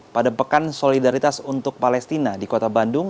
pada pekan solidaritas untuk palestina di kota bandung